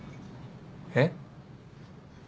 えっ？